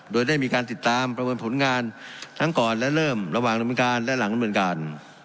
โดยได้มีการติดตามประเมินผลงานทั้งก่อนและเริ่มระหว่างดำเนินการและหลังดำเนินการ